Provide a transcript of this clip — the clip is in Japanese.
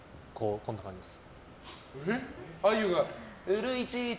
こんな感じです。